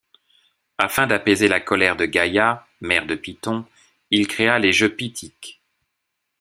Afin d'apaiser la colère de Gaïa, mère de Python, il créa les Jeux Pythiques.